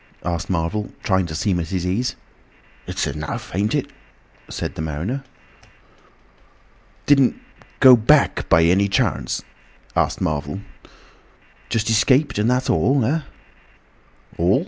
asked Marvel, trying to seem at his ease. "It's enough, ain't it?" said the mariner. "Didn't go Back by any chance?" asked Marvel. "Just escaped and that's all, eh?" "All!"